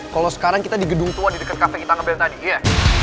kalo sekarang kita di gedung tua di deket cafe kita ngebel tadi iya